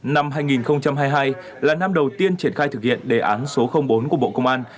năm hai nghìn hai mươi hai là năm đầu tiên triển khai thực hiện đề án số bốn của bộ công an